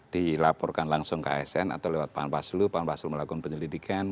dilaporkan langsung ke asn atau lewat pak anpaslu pak anpaslu melakukan penyelidikan